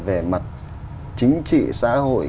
về mặt chính trị xã hội